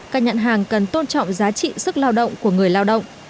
các nhãn hàng cần tôn trọng giá trị sức lao động của người lao động